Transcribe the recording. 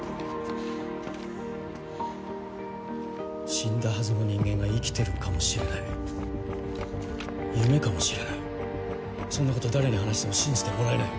死んだはずの人間が生きてるかもしれない夢かもしれないそんなこと誰に話しても信じてもらえない。